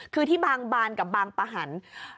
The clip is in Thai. คือที่บางบานกับบางปะหัน